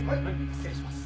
失礼します。